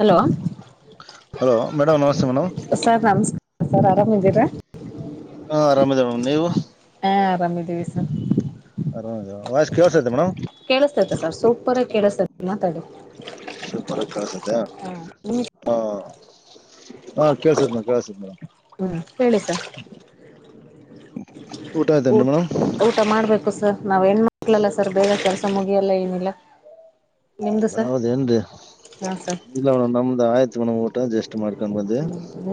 Hello. Hello madam ನಮಸ್ತೆ madam. Sir ನಮಸ್ಕಾರ sir ಆರಾಮಿದ್ದೀರಾ. ಹಾ ಆರಾಮ ಇದಿರಿ ಮ್ಯಾಮ್ ನೀವು. ಹಾ ಆರಾಮ ಇದ್ದೀವಿ ಸರ್. [unintelligible] ವಾಯ್ಸ್ ಕಳ್ಸತ್ತೈತ ಮೇಡಮ್. ಕೇಳಿಸ್ತೈತೆ ಸರ್ ಸೂಪರಾಗಿ ಕೇಳಿಸ್ತೈತೆ ಮಾತಾಡಿ. ಸೂಪರಗ ಕೇಳಸುತ್ತ. ಹ್ಮ್ ಹಾ ಹ ಕೇಳ್ಸದ ಮೇ ಕೇಳ್ಸದ್ ಮೇಡಂ. ಹ್ಮ್ ಹೇಳಿ ಸರ್. ಊಟ ಊ ಆಯ್ತೇನ್ರಿ ಮೇಡಮ್ ಊಟ ಮಾಡ್ಬೇಕು ಸರ್ ನಾವ್ ಹೆಣ್ಣ ಮಾಡಕ್ಲಲ್ಲ ಸರ್ ಬೇಗ ಕೆಲ್ಸ ಮುಗಿ ಎಲ್ಲ ಏನಿಲ್ಲ ನಿಮ್ದು ಸರ್ ಹೌದೇನ್ರಿ ಹಾ ಸರ್ ಇಲ್ಲ ಮೇಡಂ ನಮ್ಮ್ ಆಯತ್ ಮೇಡಂ ಊಟ ಜಸ್ಟ್ ಊಟ ಮಾಡ್ಕೊಂಡ ಬ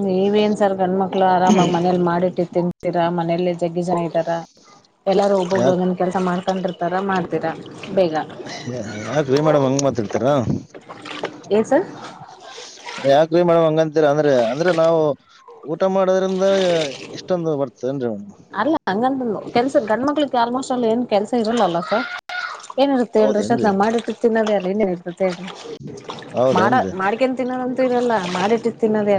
ನೀವೇನ್ ಸರ್ ಗಂಡ್ಮಕ್ಳು ಆರಾಮಾಗ್ ಮನೇಲಿ ಮಾಡಿಟ್ಟಿ ತಿನ್ತೀರಾ ಮನೇಲಿ ಜಗ್ಗಿ ಜನ [unintelligible] ಎಲ್ಲಾರು ಒಬ್ಬೊಬ್ರು ಯಾಕ್ ಒಂದೊಂದು ಕೆಲಸ ಮಾಡ್ಕೊಂಡಿರ್ತಾರ ಮಾಡ್ತೀರಾ ಬೇಗ. ಯಾಕ ರೀ ಮೇಡಮ್ ಹಂಗ ಮಾತಾಡತಿರ. ಏನ್ ಸರ್ ಯಾಕ ರೀ ಮೇಡಮ್ ಹಂಗಂತೀರ ಅಂದ್ರೆ ಅಂದ್ರೆ ನಾವು. ಊಟ ಮಾಡೋದ್ರಿಂದ ಇಷ್ಟೊಂದು ಬರ್ತದೇನರೀ ಮೇಡಂ. ಅಲ್ಲ ಹಂಗಂತಂದು ಕೆಲ್ಸ ಗಂಡ ಮಕ್ಳಿಗೆ ಆಲ್ಮೋಸ್ಟ್ ಅಲ್ಲಿ ಏನ್ ಕೆಲಸ ಇರಲ್ಲ ಅಲ್ವಾ ಸರ್. ಏನಿರುತ್ತೆ ಹೇಳ್ರರಿ ಹೌದೇನ್ರಿ ಸರ್ ಮಾಡಿತಿರ್ ತಿನ್ನದಲ್ಲ ಏ ಮತ್ತ ಮಾಡ ಹೌದೇನ್ರಿ ಮಾಡ್ಕೇನ್ ತಿನ್ನೋದಂತೂ ಇರಲ್ಲ ಮಾಡಿಟ್ಟಿದ ತಿನ್ನೋದೇ.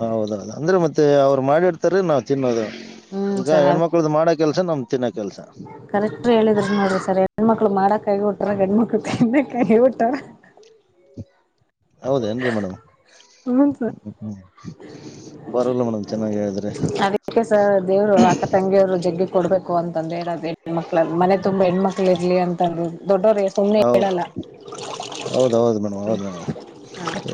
ಹೌದೌದು ಅಂದ್ರೆ ಮತ್ತೆ ಅವ್ರು ಮಾಡಿಡ್ತಾರ ನಾವ್ ತಿನ್ನೋದು ಹ್ಮ್ ಈಗ ಸರ್ ಅ ಹೆಣ್ಮಕ್ಳ್ದು ಮಾಡಕ ಕೆಲ್ಸ ನಮ್ ತಿನ್ನೋ ಕೆಲ್ಸ. ಕರೆಕ್ಟ್ ಹೇಳಿದ್ರ ನೋಡ್ರಿ ಸರ್ ಹೆಣ್ಮಕ್ಳು ಮಾಡಾಕ್ ಆಗಿ ಹುಟ್ಟರ ಗಂಡ್ಮಕ್ಳು ತಿನ್ನಕ್ ಹಾಗಿ ಹುಟ್ಟರ. ಹೌದ ಏನ್ರರಿ ಮೇಡಮ್. ಹ್ಮ್ ಸರ್ ಹ್ಮ ಹ್ಮ್ ಬರಲ್ಲ ಮೇಡಮ್ ಚೆನ್ನಾಗಿ ಹೇಳಿದ್ರೆ. ಇಲ್ಲ ಸರ್ ಅದು ಅಕ್ಕ ತಂಗಿಯವ್ರು ಜಗ್ಗಿ ಕೊಡ್ಬೇಕು ಅಂತಂದೇ ಇರೋದು ಹೆಣ ಮಕ್ಳ ಮನೆ ತುಂಬಾ ಹೆಣ್ಮಕ್ಳು ಇರ್ಲಿ ಅಂತ. ದೊಡ್ಡೋ ರೇ ಹೌದು ಹೌದ ಹೌದು ಮೇಡಮ್ ಹೌದು ಮೇಡಮ್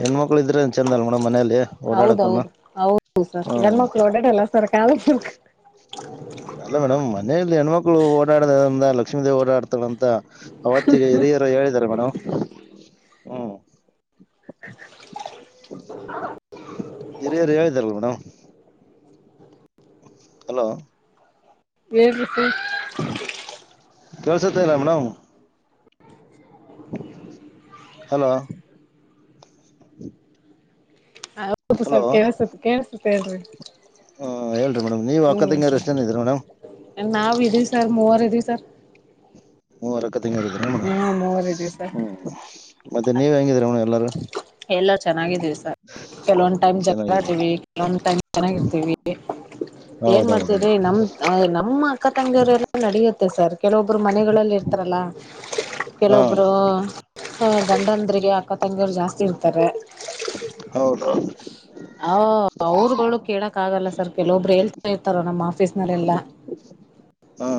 ಹೆಣ್ಮಕ್ಳು ಇದ್ರೆ. ಚೆಂದ ಅಲ್ ಮೋಡಮ್ ಮನೇೆಯಲ್ಲಿ ಓಡಾಡಕನು ಹೌದೌದು ಹೌದು ಸರ್ ಹೂ. ಗಂಡ್ಮಕ್ಳು [unintelligible] ಅಲ್ಲ ಮೇಡಮ್ ಮನೆಯಲ್ಲಿ ಹೆಣ್ಮಕ್ಳು ಓಡಾಡದಿಂದ ಲಕ್ಷ್ಮೀ ದೇವಿ ಓಡಾಡ್ತಾಳಂತ ಅವತ್ತಿಗೆ ಹಿರಿಯ. ಹೇಳಿದ್ದಾರೆ ಮೇಡಮ್. ಹ್ಮ್ [unintelligible] ಹಿರಿಯರು ಹೇಳಿದಾರಲ್ಲ ಮೇಡಮ್. ಹಲೋ ಹೇಳ್ರಿ ಸರ್. ಕೆಳ್ಸತ್ತ ಇಲ್ಲ ಮೇಡಮ್. ಹಲೋ ಹ ಹೌದು ಸ ಹಲೋ ಕೇಳಸುತ್ತ ಕೇಳ್ಸುತ್ತ ಹೇಳ್ರಿ ಹ್ ಹೇಳಿರಿ ಮೇಡಮ್ ನೀವು ಅಕ್ಕದಂಗ ಎಷ್ಟೇನ ಇದೀ ಮೇಮ್ ನಾವವು ಇದೀ ಸರ್ ಮೂವರ್ ಇದೀ ಸರ್ ಮೂವರಕ್ಕ ತಂಗಾರಿದರ ಅವಡ ಹ್ಮ ಮೂವರ್ ಇದೀವಿ ಸರ್ ಹ್ಮ್ ಮತ್ತೆ ನೀವ್ ಹೆಂಗಿದೀರ ಅವ ಎಲ್ಲಾರು ಎಲ್ಲ ಚೆನ್ನಾಗಿದೀವಿ ಸರ್ ಕೆಲವೊಂದ್ ಟೈಮ್ ಜ ಚೆನ್ನಾಗಿದ್ರ ಆವಿ ಕೆಲವಂದ್ ಟೈಮ್ ಚೆನ್ನಾಗಿರ್ತಿವಿ ಏನ್ ಹೌದೌದು ಮಾಡ್ತಿದ್ರಿ ನಮ್ ನಮ್ಮ ಅಕ್ಕ ತಂಗಿಯರೆಲ್ಲ ನಡಿಯುತ್ತೆ ಸರ್ ಕೆಲವೊಬ್ರು ಮನೆಗಳಲ್ಲಿ ಇರ್ತಾರಲ್ಲ ಹಾ ಕೆಲವೊಬ್ರು ಹ ಗಂಡಂದ್ರಿಗೆ ಅಕ್ಕ ತಂಗಿಯರು ಜಾಸ್ತಿ ಇರ್ತಾರೆ ಹೌದೌ ಹ ಅವರುಗಳು ಕೇಳಕ್ ಆಗಲ್ಲ ಸರ್ ಕೆಲವೊಬ್ರು ಹೇಳ್ತಾ ಇರ್ತಾರ ನಮ್ಮ್ ಆಫೀಸ್ ನಲ್ಲೆಲ್ಲಾ ಹಾ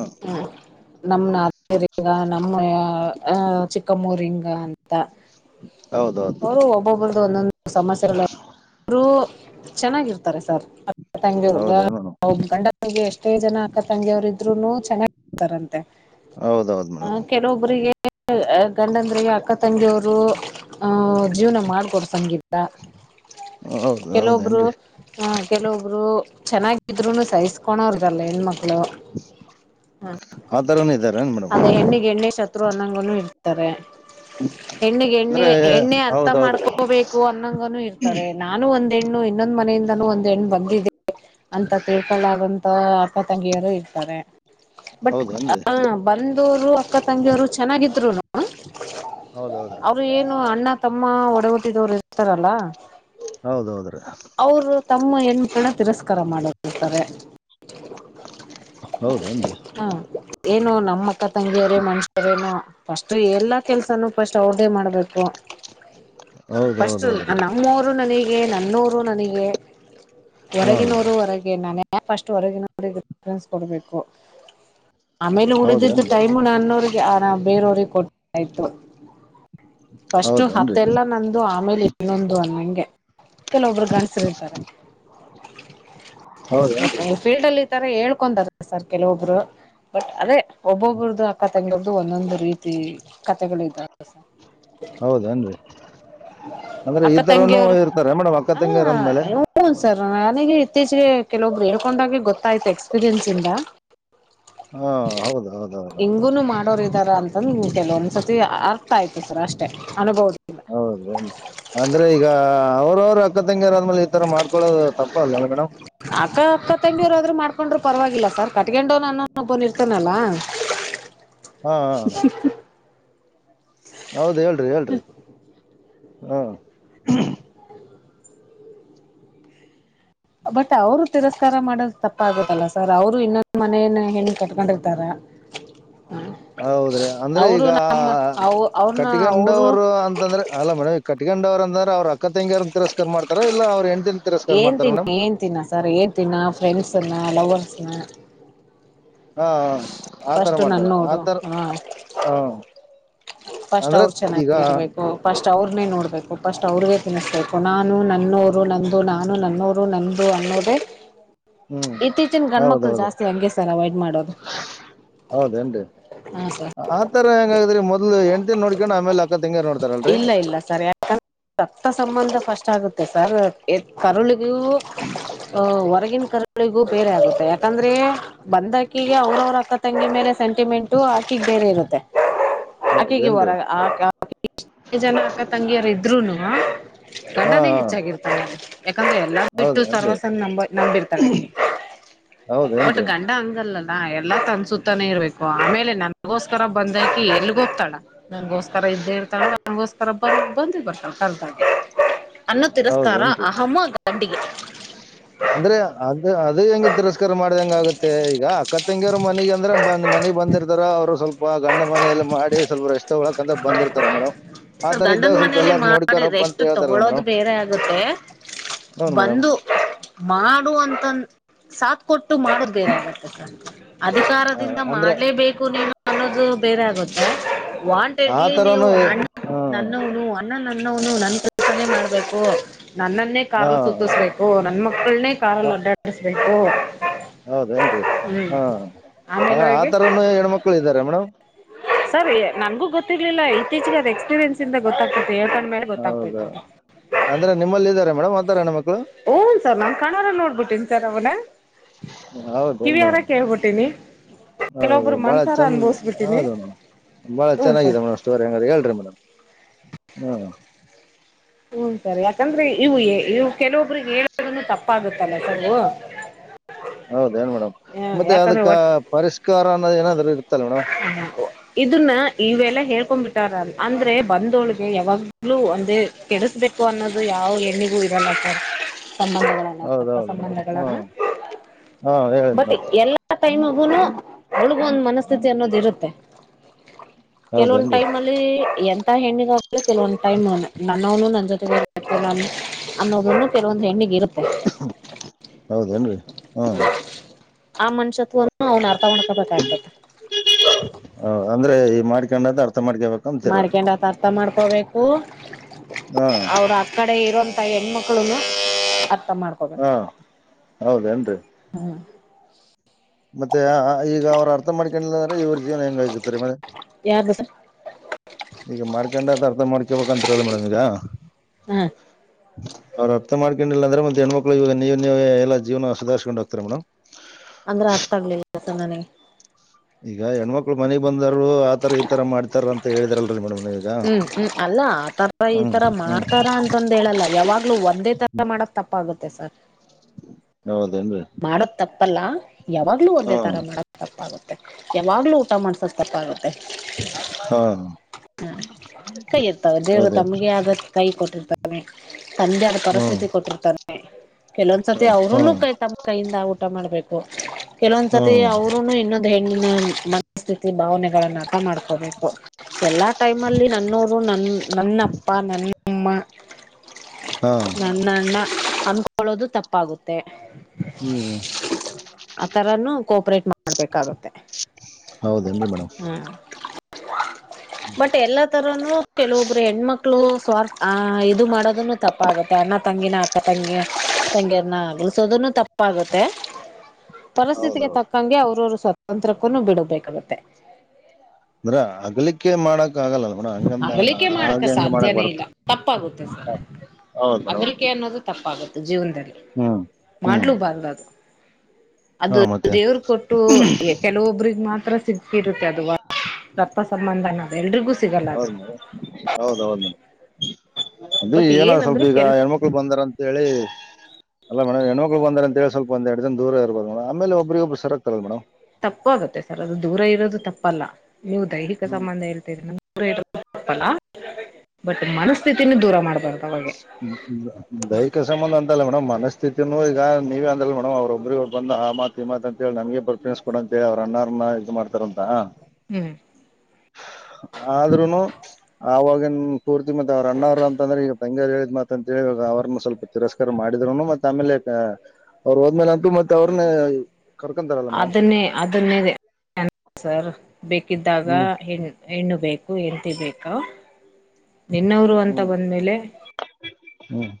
ನಮರಿಂಗ ನಮ್ಮ ಚಿಕ್ಕಮ್ಮೂರಿಂಗ ಅಂತ ಹೌದೌದು ಅವರು ಒಬ್ಬೊಬ್ಬರ್ದು ಒಂದೊಂದು ಸಮಸ್ಯರಲ್ಲ ಅವರು ಚೆನ್ನಾಗಿರ್ತಾರೆ ಸರ್ ಹಟಂಗೆದ ಹೌದೇನು ಮೇಡಮ್. ಅವ್ರ ಗಂಡನಿಗೆ ಎಷ್ಟೇ ಜನ ಅಕ್ಕ ತಂಗಿ ಇದ್ರುನೂ ಚೆನ್ನಾಗತಾರಂತೆ [unintelligible] ಹೌದೌದು ಮೇಡಮ್ ಕೆಲವೊಬ್ಬರಿಗೆ ಗಂಡಂದ್ರಿಗೆ ಅಕ್ಕ ತಂಗಿಯವರು ಆಹ ಜೀವನ ಮಾಡ್ಕೊಡ್ ಸಂಗೀತ ಹೌದು ಕೆಲವೊಬ್ರು ಹೌದೇನ್ರಿ [inaudible] ಹ ಕೆಲವೊಬ್ರು ಚೆನ್ನಾಗಿದ್ರುನು ಸಹಿಸ್ಕೊಳೋ್ರಗಲ್ಲ ಹೆಣ ಮಕ್ಳು ಹಾದ ಅದೇ ಹೆಣ್ಣಿಗೆ ಎಣ್ಣೆ ಶತ್ರು ಅನಂಗೂನು ಇತ್ರಾರೆ ಹೆಣ್ಣಿಗೆ ಎಣ್ಣೆ ಅಂದ್ರೆ ಹೆಣ್ಣೆ ಅರ್ಥ ಹೌದೌದ್ರಿ ಮಾಡ್ಕೋಬೇಕು ಅನ್ನಂಗನೂ ಇರ್ತಾರೆ ನಾನು ಒಂದ್ ಹೆಣ್ಣು ಇನ್ನೊಂದ್ ಮನೆಯಿಂದನೂ ಒಂದ್ ಹೆಣ್ಣು ಬಂದಿದ್ದೀಿ ಅಂತ ತಿಳ್ಕೊಳ್ಳಾಗಂತ ಅಪ್ಪ ತಂಗಿಯರು ಇರ್ತಾರೆ ಬಟ್ ಹೌದೇನ್ರಿ ಆ ಬಂದವರು ಅಕ್ಕ ತಂಗಿಯವರು ಚೆನ್ನಾಗಿದ್ರುನೂ ಹೌದೌದ್ರಿ ಅವರು ಏನು ಅಣ್ಣ ತಮ್ಮ ಒಡೆಗಟ್ಟಿದವರು ಇರ್ತಾರಲ್ಲ ಹೌದೌದ್ರೀ ಅವರು ತಮ್ಮ ಹೆಣ್ಮಕ್ಳನ್ನ ತಿರಸ್ಕಾರ ಮಾಡದಿರ್ತಾರೆ ಹೌದೇನ್ರಿ ಹಾ ಏನು ನಮ್ಮ ಅಕ್ಕ ತಂಗಿಯರೇ ಮನುಷ್ಯರೇನು ಸ್ಟ್ು ಎಲ್ಲಾ ಕೆಲ್ಸನೂ ಫಸ್ಟ್ ಅವ್ರ್ದೇ ಮಾಡ್ಬೇಕು [inaudible] ಫಸ್ಟ್ ಹೌದೌದೌದ್ರಿ ನಮ್ಮೋರು ನನಗ ನನ್ನೋರು ನನಗೆ ಹಾಂ ಹೊರಗಿನವರು ಹೊರಗೆ ನಾನೇ ಫಸ್ಟ್ ಹೊರಗಿನವ ಪ್ರೆಫರೆನ್ಸ್ ಕೊಡ್ಬೇಕು ಆಮೇಲೆ ಉಡ್ದಿದ್ದ ಹೌದೇನು ಟೈಮು ನನ್ನವ್ರಿಗೆ ಆ ಬೇರವ್ರಿಗೆ ಕೊಟ್ಟ ಆಯ್ತು ಫಸ್ಟ್ ಹೌದೇನ್ರಿ ಹತ್ತೆಲ್ಲ ನಂದು ಆಮೇಲೆ ಇನ್ನೊಂದು ಅನ್ನಂಗೆ ಕೆಲೊಬ್ರು ಗಂಡಸರುಾರೆ ಹೌದೇನ್ರಿ ಮೆ ಫೀಲ್ಡ್ ಅಲ್ಲಿ ಈ ತರ ಹೇಳ್ಕೊೊಂಡದ ಸರ್ ಕೆಲವೊಬ್ರು ಬಟ್ ಅದೇ ಒಬ್ಬೊಬ್ಬ್ರದು ಆ ಕತೆೆದ್ದು ಒಂದೊಂದು ರೀತಿ ಕತೆೆಗಳ ಇದಾವ ಹೌದೇನ್ರಿ ಅಕ್ಕ ತಂಗಿಯವ್ರು ರಮಣ ಹ ಹ್ ಸರ್ ನನಗೆ ಇತ್ತೀಚೆಗೆ ಕೆಲವೊಬ್ರು ಹೇಳ್ಕೊಂಡಾಗೆ ಗೊತ್ತಾಯ್ತು ಎಕ್ಸ್ಪೀರಿಯನ್ಸ್ ಇಂದ ಹಾಂ ಹೌದು ಹೌದು ಹೌದು ಎಂಗುನು ಮಾಡೋರು ರ ಅಂತಂದ ಕೆಲವೊಂದ್ಸತಿ ಅರ್ಥ ಆಯ್ತು ಸರ ಅಷ್ಟೇ ಅನುಭವ ಹೌದ ಅಂದ್ರೆ ಈಗ ಅವ್ರವರು ಅಕ್ಕ ತಂಗಿಯರ ಆದ್ಮೇಲೆ ಈತರ ಮಾಡ್ಕೊಳೋದು ಅಕ್ಕ ಅಕ್ಕ ತಂಗಿಯವರಾದರು ಮಾಡ್ಕೊಂಡ್ರು ಪರವಾಗಿಲ್ಲ ಸರ್ ಕಟ್ಕೊಂಡವನ ಅನ್ನಬ್ಬನ್ ಇರ್ತಾನಲ್ಲಾ ಹ್ಮ್ ಹೌದ ಹೇಳ್ರಿ ಹೇಳ್ರಿ ಹ್ಮ ಹ [inaudible] ಬಟ್ ಅವ್ರು ತಿರಸ್ಕಾರ ಮಾಡದು ತಪ್ಪ ಆಗುತ್ತಲ್ಲಾ ಸರ್ ಅವರು ಇನ್ನೊಂದು್ ಮನೇನ ಹೆಣಗ್ ಕಟ್ಕೊಂಡಿರ್ತಾರ [unintelligible] [inaudible] ಹೌದ್ರಿ ಅಂದ್ರೆ ಅವರು ಈಗ ನಮ್ಮ ಅವ ಅವ್ರನ್ನ ಅವರು ಕಟ್ಕಂಡವರು ಅಂತಂದ್ರೆ ಅಲ್ಲ ಮೇಡಮ್ ಈ ಕಟ್ಕಂಡ್ ಅವ್ರ ಅಂದ್ರ ಅವ್ರ ಅಕ್ಕ ತಂಗಾರನ್ನ ತಿರಸ್ಕ ಮಾಡತಾರ ಇಲ್ಲ ಅವ್್ರ ಹೆ್ ಏನ್ ತಿನ್ನ ಏನ್ ತಿನ್ನ ಸರ್ ಏನ್ ತಿನ್ನ ಫ್ರೆಂಡ್ಸ್ನ ಲವರ್ಸ್ನ ಹಾ ಹ ಆತರ ಫಸ್ಟ್ ಮಾಡ್ತಾರ ನನ್ನವರು ಆತರ ಹ ಹಾ ಫಸ್ಟ್ ಅಂದ್ರೆ ಅವ್ರು ಈಗ ಚೆನ್ನಾಗಿರ್ಬೇಕು ಫಸ್ಟ್ ಅವ್ರನ್ನೇ ನೋಡ್ಬೇಕು ಫಸ್ಟ್ ಅವ್ರಗೇ ತಿನ್ಿಸ್ಬೇಕು ನಾನು ನನ್ನವರು ನಂದು ನಾನು ನನ್ನವರು ನದು ಅನ್ನೋದೇ ಹ್ಮ್ ಇತ್ತೀಚಿನ ಗಂಡ ಮಕ್ಳು ಹೌದೌದು ಜಾಸ್ತಿ ಹಾಗಂಗಗೆಸರ್ ಅವಾಯ್ಡ್ ಮಾಡೋದು ಹೌದೇನ್ೀ ಹಾ ಸರ್ ಆತರ ಹೆಂಗಾದ್ರ ಮೊದಲು ಹೆಂಡ್ತಿ ನೋಡ್ಕೊಂಡ್ ಆಮೇಲೆ ಅಕ್ಕ ತಂಗಾರ ನೋಡ್ತಾರಲ್ರರಿ ಇಲ್ಲ ಇಲ್ಲ ಸರ್ ರಕ್ತ ಸಂಬಂಧ ಫಸ್ಟ್ ಆಗುತ್ತೆ ಸರ್ ಎ ಕರುಳಿಗೂ ಹೊರಗಿನ ಕರುಳಿಗೂ ಬೇರೆ ಆಗುತ್ತೆ ಯಾಕಂದರೆ ಬಂದಕೀಗ ಅವ್ರವ್ರ ಅಕ್ಕ ತಂಗಿ ಮೇಲೆ ಸೆಂಟಿಮೆಂಟು ಆಕಿಗ್ ಬೇರೆ ಇರುತ್ತೆ ಆಕಿಗೆ ಹೊರ ಹೌದೇನ್ರಿ ಜನ ಅಕ್ಕ ತಂಗಿಯರು ಇದ್ರುನು ಹಾ ಗಂಡನೆೇ ಹಾ ಹೆಚ್ಚಿದ ಹ ಯಾಕಂದ್ರೆ ಎಲ್ಲಾ ಬಿಟ್ಟು ಹೌದೇನ್ರಿ ಸರ್ವಸ ನಂಬ ನಂಬಿರ್ತಾಳೆ ಒಟ್ಟು ಹೌದೇನ್ರಿ ಗಂಡ ಹಂಗಲ್ಲ ಾ ಎಲ್ಲಾ ತನ್ಸುತ್ತಾನೆ ಇರ್ಬೇಕು ಆಮೇಲೆ ನನಗೋಸ್ಕರ ಬಂದಾಕಿ ಎಲ್ಗ ಹೋಗ್ತಾಳ ನನ್ಗೋಸ್ಕರ ಇದ್ದೇ ಇರ್ತಳ ನನ್ಗೋಸ್ಕರ ಬಂದ ಬಂದೇ ಬರ್ತಾ ಕಲ್ದಾಗ ಅನ್ನ ತಿರಸ್ಕಾರ ಹೌದೇನ್ರಿ ಅಹಮದ ಗಂಡಿಗೆ ಅಂದ್ರೆ ಅದು ಅದು ಹೆಂಗ ತಿರಸ್ಕಾರ ಮಾಡದ ಹೆಂಗ ಆಗುತ್ತೆ ಈಗ ಅಕ್ಕತ್ ತೆಂಗಿರು ಮನಗ್ ಅಂದ್ರ ಬಂದ ಮನೆಗ್ ಬಂದಿರ್ತಾರ ಅವ್ರು ಸ್ವಲ್ಪ ಗಂಡನ ಮನಲ್ಲ ಮಾಡಿ ಸ್ವಲ್ಪ ರಷ್ಟ ಳಕಂತ ಬಂದಿರ್ತಾರೆ ಮೇಡಮ್ ಆ ಸ ತರ ಗಂಡನ್ ಇದ್ದಾಗ ಸ್ವಲ್ಪ ಮನೇಲಿ ಎಲ್ಲಾರು ಮಾಡಿದ್ರೆ ನೋಡ್ಕೊರಪ್ಪ ಅಂತ ಎಷ್ಟು ಹೇಳ್ತಾರಲ್ಲ ತಗೊೊಳ್ಳೋದು ಮೇಡಮ್ ಬೇರೆ ಆಗುತ್ತೆ ಹೌನ್ ಮೇಡಮ್ ಬಂದು ಮಾಡು ಅಂತನ್ ಸಾತ್್ ಕೊಟ್ಟು ಮಾಡದ ಬೇನ ಅಧಿಕಾರದಿಂದ ಅಂದ್ರೆ ಮಾಡ್ಲೆಬೇಕು ನೀನು ಅನ್ನೋದು ಬೇರೆ ಆಗುತ್ತೆ ಆ ಇಲ್ಲಿ ತರನು ನೀವುಅಣ್ಣ ಹಾ ನನ್ನವ್ನು [unintelligible] ನನ್ನವ್ನು ನನ್ ಜೊತೆನೇ ಮಾಡ್ಬೇಕು ನನ್ನನ್ನೇ ಹಾ ಕಾರಲ್ ಸುತ್ತುಸ್ಬೇಕು ನನ್ ಮಕ್ಕಳ್ನೆ ಕಾರಲ್ಲಿ ಅಡ್ಡಾಡಸ್ಬೇಕು ಹೌದೇನ್ರೀ ಹ ಆಮೇಲೆ ಹೋಗಿ ಆತರನು ಹೆಣ್ಮಕ್ಳು ಇದಾರ ಮೇಡಮ್ ಸರ್ ನನ್ಗೂ ಗೊತ್ತಿರ್ಲಿಲ್ಲ ಇತ್ತೀಚಿಗೆ ಅದು ಎಕ್ಸ್ಪೀರಿಯನ್ಸ್ ಇಂದ ಗೊತ್ತಾಗ್ತ [unintelligible] ಹೌದ ಅಂದ್ರೆ ನಿಮ್ಮಲ್ಲಿ ಇದ್ದಾರ ಮೇಡಮ್ ಅತಾರ ಹೆಣ್ಮಕ್ಳು ಊನ್ ಸರ್ ನನ್ಕಣ್ಣಾರೆ ನೋಡ್ಬುಟ್ಟಿನ್ ಸರ್ ಅವಾಗ್ಲೆ ಹೌದ್ ಎನ್ ಮೇಡ್ ಹೌದು ಕೆಲವೊಬ್ರು ಬಾಳ ಮನ್ಸಾರ ಚಂದ್ ಅನ್ಭವಸ್ಬಿಟ್ಟಿನಿ ಹೌದು ಬಾಳ ಹ್ಞೂ ಸರ್ ಚೆನ್ನಾಗಿದೆ ಸ್ಟೊರಿ ಹೆಂಗದ ಹೇಳ್ರಿ ಮೇಡಮ್ ಹ್ಮ್ ಹ್ಮ್ ಸರ್ ಯಾಕಂದ್ರೆ ಇವು ಇವು ಕೆಲವೊಬ್ರಿಗೆ ಹೇಳೋದ ತಪ್ಪಾಗುತ್ತಲ್ಲ ಸವು ಹೌದೇನ್ ಮೇಡಮ್ ಮತ್ತೆ ಯಾಕಂದ್ರೆ ಅದಕ್ಕ ಒ ಪರಿಷ್ಕಾರ ಅನ್ನದ್ ಏನಾದ್ರ ಇರ್ತಲ್ಲ ಮೇಡಮ್ ಹ [inaudible] ಇದುನ್ನ ಈವೆಲ್ಲ ಹೇಳ್ಕೊಂ ಬಿಟ್ಟಾರ ಅಂದ್ರೆ ಬಂದೋಳಗೆ ಯಾವಾಗ್ಲೂ ಒಂದೆ ಕೆಡಿಸ್ಬೇಕು ಅನ್ನೋದು ಯಾವ ಹೆಣ್ಣೆಗೂ ಇರಲ್ಲ ಸರ್ ಸಂಬಧ ದತ್ತ ಹೌದೌದು ಮೇಡಮ್ ಹಾ ಸಂಬಂಧಗಳಣ ಹಾ ಹೇಳಿ ಬಟ್ ಮೇಡಮ್ ಎಲ್ಲಾ ಟೈಮಗು ಒಳಗ ಒಂದ್ ಮನಸ್ಥಿತಿ ಕೆೊ ಹೌದೇನ್ರಿ ಲ್ಲಿ ಎಂತ ಹೆಣ್ಣಗಾಗ ಕೆಲವೊಂದ್ ಟೈಮ್ ನನ್ನವ್ನು ನನ್ ಜೊತೆ ಅನ್ನೋದು ಇನ್ನು ಕೆಲವಂದ ಹೆ್ಣಿಗ ಇರುೆ [unintelligible] ಹೌದೇನ್ರಿ ಹಾ ಆ ಮನುಷ್ಯತ್ವನು ಅವ್ನ್ ಅರ್ಥಮಾಡ್ಕೊಬೆಕಾಗಿತ್ತಿ ಹ ಅಂದ್ರೆ ಈ ಮಾಡ್ಕೊಂಡತ ಅರ್ಥ ಮಾಡ್ಕೇಬೇಕ ಮಾಡ್ಕೆಂಡತ ಅರ್ಥ ಮಾಡ್ಕೋಬೇಕು ಹಾ ಅವ್ರ [unintelligible] ಕಡೆ ಇರುವಂತಹ ಹೆಣ್ಮಕ್ಳುನು ಅರ್ಥ ಮಾಡ್ ಹಾ ಹೌದನ್ರಿ ಹಾಂ ಮತ್ತೆ ಈಗ ಅವ್ರ ಅರ್ಥ ಮಾಡ್ಕೆಂಡಿಲ್ಲಂದ್ರೆ ಇವ್ರ ಜೀವನ ಹೆಂಗ ಆಗತ್ತರಿ ಯಾರ್ದು ಸರ್ ಈಗಮಾಡ್ಕೆಂಡಾತ ಅರ್ಥಮಾಡ್ಕ್ಯಾಬೇಕ್ ಅಂತಿರಲ್ಲ ಮೇಡಮ್ ಈಗ ಹ್ಮ್ ಅವ್ರ್ ಅರ್ಥಮಾಡ್ಕೆಂಡಿಲ್ ಅಂದ್ರಮತ್ ಹೆಣ್ಮಕ್ಳು ಈವ ನೀವು ನೀವೇ ಎಲ್ಲ ಜೀವನ ಸುದಾರಿಸ್ಗೆಂಡ್ ಹೋಗ್ತಿರ್ಯಾ ಮೇಡಮ್ ಅಂದ್ರ ಅರ್ಥ ಆಗ್ಲಿ [unintelligible] ತ್ತ ನನಗೆ ಈಗ ಹೆಣ್ಮಕ್ಳು ಮನಿಗ್ ಬಂದರು ಆತರ ಈ ತರ ಮಾಡ್ತಾರ ತ ಹೇಳಿದಿರಲ್ರಿೇಮ್ ಹ್ಮ್ ಹ್ಮ್ ಅಲ್ಲ ಆತರ ಈತರ ಹ್ಮ್ ಮಾಡ್ತಾರ ಅಂತಂದ ಹೇಳಲ್ಲ ಯಾವಾಗ್ಲೂ ಒಂದೇ ಮಾಡಕ್ ತಪ್ಪಾಗುತ್ತೆ ಸರ್ ಹೌದೇನ್ರಿ ಮಾಡ ತಪ್ಪಲ್ಲ ಯಾವಾಗ್ಲೂ ಹಾ ಒಂದೇ ತರ ಮಾಡ ತಪ್ಪಾಗುತ್ತೆ ಯಾವಾಗ್ಲೂ ಊಟ ಮಾಡ್ಸೋದ ತಪ್ಪಾಗುತ್ತೆ ಹಾ ಹ ಕೈ ಇರ್ತಾವ ದೇವರು ಹೌದೇನ್ರಿ ತಮ್ಗೆ ಆದ ಕೈ ಕೊಟ್ಟಿರ್ತಾರೆ ತಂದಾದ ಹ್ಮ್ ಪರಿಸ್ಥಿತಿ ಕೊಟ್ಟಿರ್ತವೆ ಕೆಲವೊಂದ್ಸತಿ ಅವ್ರೂನು ಹ್ಮ್ ಕೈ ತಮ್ಮ ಕೈಯಿಂದ ಊಟ ಮಾಡ್ಬೇಕು ಕೆಲವೊಂದ್ಸತಿ ಹ್ಮ್ ಅವರುೂನು ಇನ್ನೊಂದು ಹೆಣ್ಣಿನ ಮನಸ್ಥಿತಿ ಭಾವನೆಗಳನ್ನ ಆಟ ಮಾಡ್ಕೋಬೇಕು ಟೈಮಲ್ಲಿ ನನ್ನವರು ನನ್ನ ನನ್ನಪ್ಪ ನನ್ನಮ್ಮ ಹಾ ನನ್ನನ್ನು ಅಂದ್ಕೊಳ್ಳೋದು ತಪ್ಪಾಗುತ್ತೆ ಹ್ಮ್ ಆ ತರನು ಕೋಪರೇಟ್ ಮಾಡ್ಬೇಕಾಗುತ್ತೆ ಹೌದೇನ್ರಿ ಮೇಡಮ್ ಹ್ಮ್ ಬಟ್ ಎಲ್ಲಾ ತರನು ಕೆಲವೊಬ್ರು ಹೆಣ್ಮಕ್ಳು ಸ್ವಾರ್ ಅ್ ಇದು ಮಾಡೋದನ್ನು ತಪ್ಪಾಗುತ್ತೆ ಅಣ್ಣ ತಂಗಿನ ಅಕ ತಂಗಿ ತಂಗಿಯನ್ನ ಆಗ್ಲು ಸ ಅದನು ತಪ್ಪಾಗುತ್ತೆ ಪರಿಸ್ಥಿತಿಗೆ ಹೌದೌದು ತಕ್ಕಂಗೆ ಅವ್ರವರು ಸ್ವತಂತ್ರಕ್ಕೂನು ಬಿಡಬೇಕಾಗತ್ತೆ ಅಂದ್ರ ಆಗ್ಲಿಕ್ಕೆ ಮಾಡಕ್ ಆಗಲ್ಲ ಅಗಲಿಕೆ ಮಾಡಕ ಸಾಧ್ಯನೇ ಇಲ್ಲ ತಪ್ಪಾಗುತ್ತೆ ಸರ್ ಹೌದ್ ಮೇಡಮ್ ಅಗಲಿಕೆ ಅನ್ನೋದು ತಪ್ಪಾಗುತ್ತೆ ಜೀವನದಲ್ಲಿ ಹ್ಮ್ ಹ್ಮ್ ಮಾಡಲೂಬಾರ್ದು ಅದು ಹಾ ಅದು ಮತ್ತೆ ದೇವರು ಕೊಟ್ಟು ಕೆಲವೊಬ್ರಿಗೆ ಮಾತ್ರ ಸಿಗ್ತಿಿರುತ್ತೆ ಅದು ರಪ್ಪ ಸಂಬಂಧ ಅನ್ನೋ ಎಲ್ರಿಗೂ ಸಿಗಲ್ಲ ಹೌದ ಅದು ಮೇಡ ಹೌದೌದು್ ಮೇಡ ಅದು ಬಟ್ ಏನಾದ ಸ್ವಲ್ಪ ಏನಂದ್ರೆ ಈಗ ಕೆಲ ಹೆಣ್ಮಕ್ ಬಂದಾರ ಅಂತ ಹೇಳಿ ಅಲ್ಲೇಡಮ ಹೆಣ್ಮಕ್ಳ ಬಂದ ಅಂತಳ್ ಸ್ವಲ್ಪಂದ ಎಡು ಜ ದೂ ಇರಬೋೇಡಮೇಲೆ ಒಬರಿ ಒಬ್ಬರುರತಲ್ಲೇಡ್ ತಪ್ಪ ಆಾಗುತ್ತೆ ಸರ್ ಅದು ದೂರ ಇರೋದು ತಪ್ಪಲ್ಲ ನೀವು ದೈಹಿಕ ಹ್ಮ್ ಸಂಬಂಧ ಹೇಳ್ತರಿ ನಮ ಇ ತಪ್ಪಲ್ಲ ಬಟ್ ಮನಸ್ಥಿತಿನ ದೂರ ಮಾಡ್ಬಾರ್ದ ಅವೆ ಹ್ಮ್ ದೈಹಿಕ ಸಂಬಂಧ ಅಂತಲ್ಲ ಮೇಡಮ್ ಮನಸ್ಥಿತತಿೂ ಈಗ ನೀವೇ ಅಂದಲ್ಲ ಮೇಡಮ್ ಅವ್ರೊಬ್ರಗ ಬಂದ ಆ ಮಾತ್ ಮತ್ ಅಂತ ಹೇಳಿ ನಮಗೆ ಪರ್ಫಮೆನ್ಸ್ ಕೊಡ ಅಂತ ಹೇಳ ಅವ್ರ ಅನ್ನಾರ್ನ್ನ ಇದದು ಮಾಡ್ತಾರ ಅಂತ ಹ್ಮ್ ಆದ್ೂನು ಆವಾಗಿನ್ ಪೂರ್ತಿ ಮತ್ತೆ ಅವ್ರ ಅಣ್ಣವ್ರ ಅಂತಂದ್ರೆ ಈಗ ತಂಗ ಹೇಳಿದ್ ಮಾತ ಅಂತೇಳಿ ಇವಾಗ ಅವ್ರನ್ನ ಸ್ವಲ್ಪ ತಿರಸ್ಕಾರ ಮಾಡಿದ್ರುನು ಮತ್ತ ಆಮೇಲೆ ಅವ್ರರು ಹೋದ್ಮೇಲೆ ಅಂತು ಮತ್ತತ್ ಅವ್ರನ ಕರ್ಕೊಂತಾರಲ್ಲ ಮೇಡಮ್ ಅದನ್ನೇ ಅದನ್ನೇ ಸರ್ ಬೇಕಿದ್ದಾಗ ಹ್ಮ್ ಹೆಣ್ಣು ಹೆಣ್ಣು ಬೇಕು ಹೆತಿ ಬೇಕಾ ನಿನ್ನವರು ಅಂತ ಹ್ಮ್ ಬಂದಮೇಲೆ ಹ್ಮ್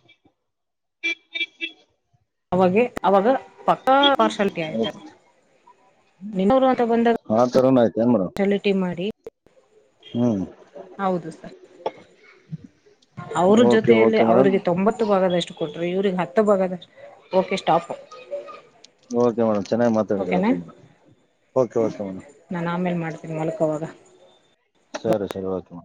ಅವಾಗ ಅವಾಗ ಪಕ್ಕಾ ಪಾರ್ಷಾಲಿಟಿ ಆಯ್ತಾರ ನ್ನೂರು ಅಂತ ಬಂದಾಗ ಆ ತರನು ಆಯ್ತ ಏನ್ ಮೇಡಮ್ ಸಲಟಿ ಮಾಡಿ ಹ್ಮ್ ಹೌದು ಸರ್ ಅವ್ರ ಓಕೆ ಜೊತೆಯಲ್ಲಿ ಓಕೆ ಮೇಡಮ್ ಅವ್ರಿಗೆ ತೊಂಬತ್ತು ಭಾಗದಷ್ಟು ಕೊಟ್ರಿ ಇವ್ರಿಗೆ ಹತ್ತು ಬಾಗದ ಓಕೆ ಸ್ಟಾಪ ಓಕೆ ಮೇಡಮ್ ಚೆನ್ನಾಗಿ ಮಾತಾಡಿದಿದ್ದಾರೆ ಓಕೆ ಮೇಡಮ್ ಕ ಕೆ ಮೇಡಮ್ ನಾನನ್ ಆಮೇಲೆ ಮಾಡ್ತೀನಿ ಮಲಕೋವಾಗ ಸರಿ ಸರಿ ಓಕೆ